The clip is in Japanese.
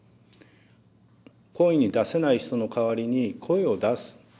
声に出せない人の代わりに声を出す。